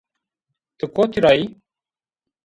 Ti kotî ra yî?